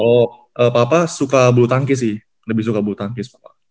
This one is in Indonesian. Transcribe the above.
oh papa suka bulu tangki sih lebih suka bulu tangkis